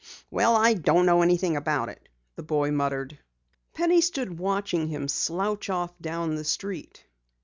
"Well, I don't know anything about it," the boy muttered. Penny stood watching him slouch off down the street.